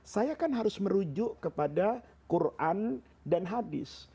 saya kan harus merujuk kepada quran dan hadis